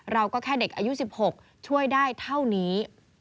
เราก็แค่เด็กอายุ๑๖ช่วยได้เท่านี้